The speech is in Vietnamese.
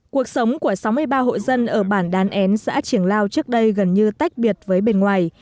cuộc sống của sáu mươi ba hộ dân ở bản đán én xã triển lao trước đây gần như tách biệt với bên ngoài